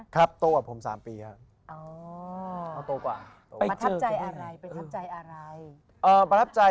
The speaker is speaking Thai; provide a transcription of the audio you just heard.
ครับโตกว่าผม๓ปีครับ